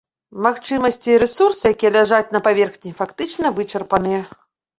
Магчымасці і рэсурсы, якія ляжаць на паверхні, фактычна вычарпаныя.